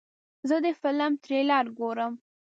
زه د فلم تریلر ګورم.